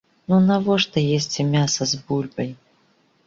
Ну навошта есці мяса з бульбай?